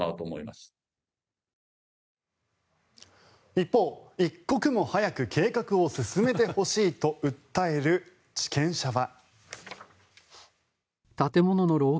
一方、一刻も早く計画を進めてほしいと訴える地権者は。